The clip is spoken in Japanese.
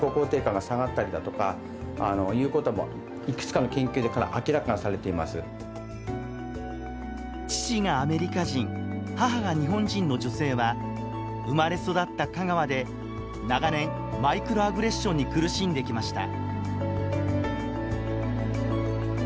やはりＳＮＳの進歩というか広がりというのが父がアメリカ人母が日本人の女性は生まれ育った香川で長年マイクロアグレッションに苦しんできました。